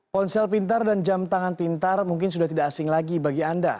ponsel pintar dan jam tangan pintar mungkin sudah tidak asing lagi bagi anda